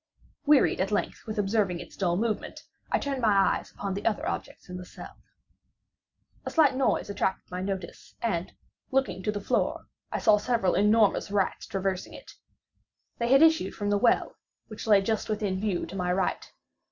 Wearied at length with observing its dull movement, I turned my eyes upon the other objects in the cell. A slight noise attracted my notice, and, looking to the floor, I saw several enormous rats traversing it. They had issued from the well, which lay just within view to my right.